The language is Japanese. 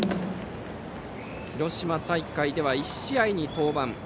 広島大会では１試合に登板。